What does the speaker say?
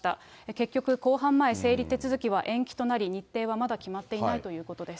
結局、公判前整理手続きは延期となり、日程はまだ決まっていないということです。